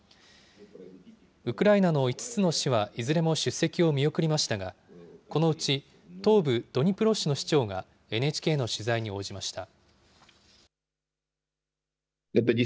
ウクライナの５つの市は、いずれも出席を見送りましたが、このうち、東部ドニプロ市の市長がＮＨＫの取材に応じました。